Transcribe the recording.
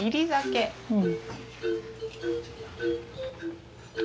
うん。